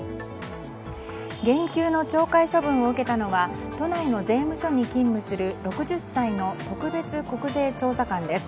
減給の懲戒処分を受けたのは都内の税務署に勤務する６０歳の特別国税調査官です。